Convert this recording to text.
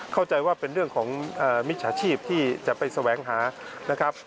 เข้าใจว่าเป็นเรื่องของมิจฉาชีพที่จะไปแสวงหานะครับ